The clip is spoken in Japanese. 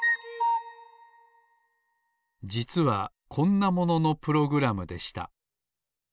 じつはこんなもののプログラムでした。